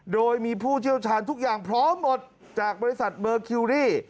โดยมีผู้เชี่ยวชาญทุกอย่างพร้อมหมดจากบริษัทเบอร์คิวรี่